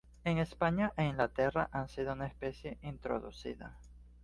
En España e Inglaterra han sido una especie introducida.